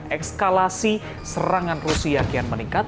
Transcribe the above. ekskalasi serangan rusia kian meningkat